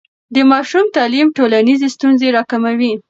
د ماشوم تعلیم ټولنیزې ستونزې راکموي.